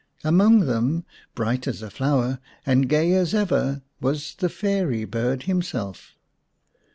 Among them, bright as a flower and gay as ever, was the fairy bird himself.